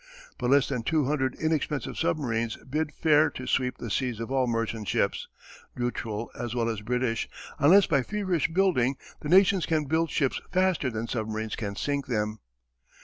But less than two hundred inexpensive submarines bid fair to sweep the seas of all merchant ships neutral as well as British unless by feverish building the nations can build ships faster than submarines can sink them.